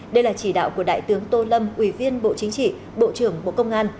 đây là chỉ đạo của đại tướng tô lâm ủy viên bộ chính trị bộ trưởng bộ công an